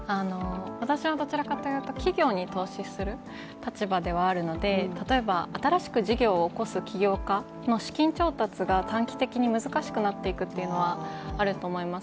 私はどちらかというと企業に投資する立場ではあるので例えば新しく事業を起こす起業家の資金調達が短期的に難しくなっていくというのはあると思います。